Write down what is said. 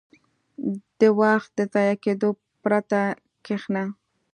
• د وخت د ضایع کېدو پرته کښېنه.